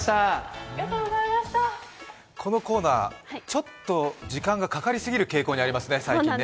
このコーナー、ちょっと時間がかかりすぎる傾向にありますね、最近ね。